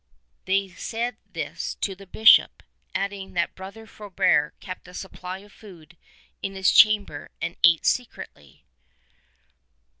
They said this to the Bishop, adding that Brother Frobert kept a supply of food in his chamber and ate secretly.